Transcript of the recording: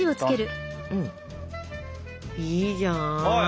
いいじゃん。